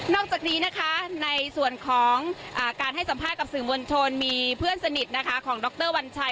จากนี้นะคะในส่วนของการให้สัมภาษณ์กับสื่อมวลชนมีเพื่อนสนิทนะคะของดรวัญชัย